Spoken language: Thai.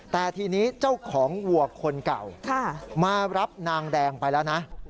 แต่ทีนี้เจ้าของวัวคนเก่ามารับนางแดงไปแล้วนะ